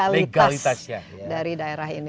legalitas dari daerah ini